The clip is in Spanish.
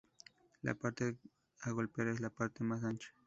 La parte a golpear es la parte más ancha.